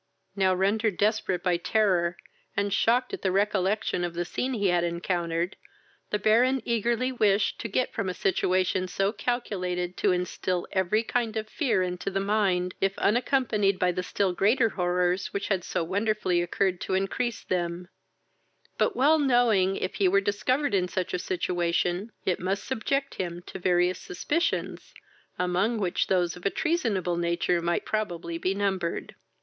Now rendered desperate by terror, and shocked at the recollection of the scene he had encountered, the Baron eagerly wished to get from a situation so calculated to instill every kind of fear into the mind, if unaccompanied by the still greater horrors which had so wonderfully occurred to increase them; but, well knowing, if he were discovered in such a situation, it must subject him to various suspicions, among which those of a treasonable nature might probably be numbered.